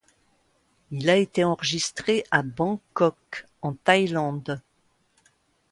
Il a été enregistré à Bangkok en Thaïlande.